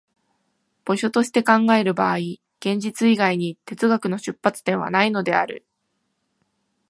場所として考える場合、現実以外に哲学の出発点はないのである。